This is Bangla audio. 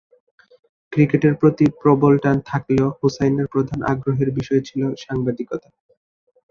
ক্রিকেটের প্রতি প্রবল টান থাকলেও হুসাইনের প্রধান আগ্রহের বিষয় ছিল সাংবাদিকতা।